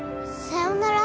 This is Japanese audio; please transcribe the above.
さようなら。